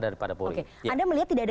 daripada polri anda melihat tidak ada